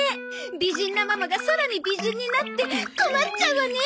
美人なママがさらに美人になって困っちゃうわね。